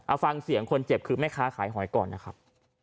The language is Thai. เอาฟังเสียงคนเจ็บคือแม่ค้าขายหอยก่อนนะครับ